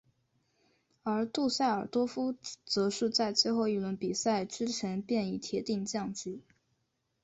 而杜塞尔多夫则是在最后一轮比赛之前便已铁定降级。